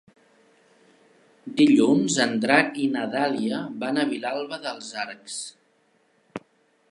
Dilluns en Drac i na Dàlia van a Vilalba dels Arcs.